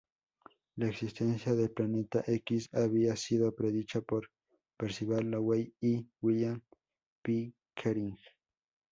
La existencia del Planeta X había sido predicha por Percival Lowell y William Pickering.